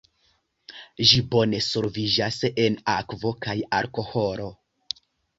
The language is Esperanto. Ĝi bone solviĝas en akvo kaj alkoholo.